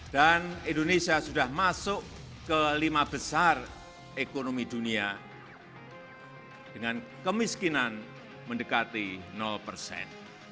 dan indonesia sudah masuk ke lima besar ekonomi dunia dengan kemiskinan mendekati persen